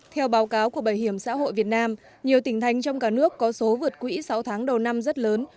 theo báo cáo của bảo hiểm xã hội việt nam nhiều tỉnh thành trong cả nước có số vượt quỹ sáu tháng đầu năm rất lớn